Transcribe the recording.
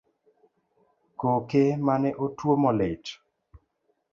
Koke mane otuomo lit